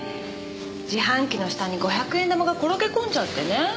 自販機の下に５００円玉が転げ込んじゃってね